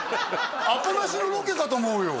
アポなしのロケかと思うよ